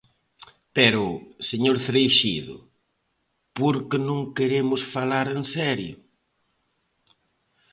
Pero, señor Cereixido, ¿por que non queremos falar en serio?